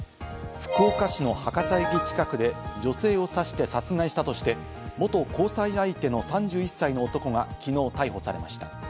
福岡市の博多駅近くで女性を刺して殺害したとして元交際相手の３１歳の男が昨日、逮捕されました。